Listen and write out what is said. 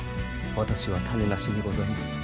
私は種無しにございます！